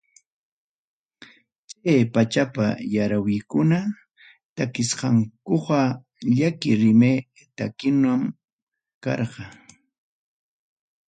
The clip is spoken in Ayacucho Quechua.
Chay pachapi yarawikuna takisqankuqa llaki rimay takikunam karqa.